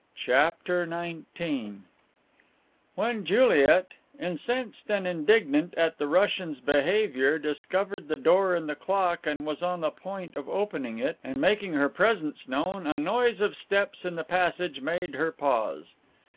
CHAPTER XIX When Juliet, incensed and indignant at the Russian's behaviour, discovered the door in the clock and was on the point of opening it and making her presence known, a noise of steps in the passage made her pause.